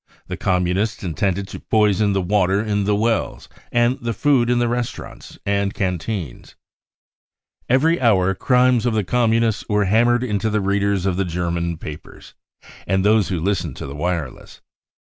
The Communists intended to poison the water in the wells and the food in the restaurants and can teens !" Every hour crimes of the Communists were ham mered into the readers of the German papers and those who listened to the wireless.